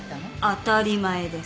当たり前です。